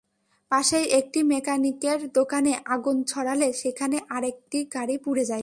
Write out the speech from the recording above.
পাশেই একটি মেকানিকের দোকানে আগুন ছড়ালে সেখানে আরেকটি গাড়ি পুড়ে যায়।